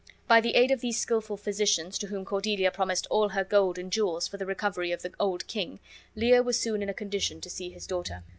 By the aid of these skilful physicians, to whom Cordelia promised all her gold and jewels for the recovery of the old king, Lear was soon in a condition to see his daughter.